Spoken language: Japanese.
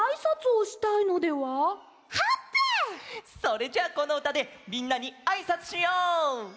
それじゃあこのうたでみんなにあいさつしよう！